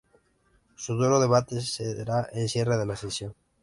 Su duro debate será el cierre de la sesión.